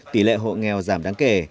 tỷ lệ hộ nghèo giảm đáng kể